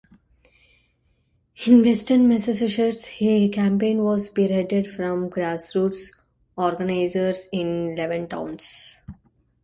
In western Massachusetts, a campaign was spearheaded from grassroots organizers in eleven towns.